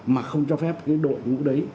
mà không cho phép cái đội vũ đấy